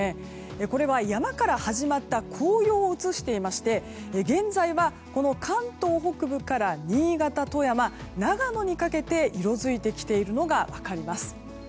これは山から始まった紅葉を映していまして現在は関東北部から新潟、富山長野にかけて色づいてきているのが分かります。